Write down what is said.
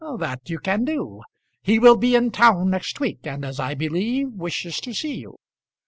"That you can do. He will be in town next week, and, as I believe, wishes to see you.